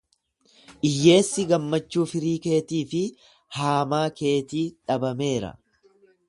Iyyeessi gammachuu firii keetii fi haamaa keetii dhabameera.